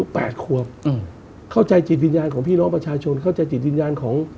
ผมเองกับคุณอุ้งอิ๊งเองเราก็รักกันเหมือนพี่เหมือนน้อง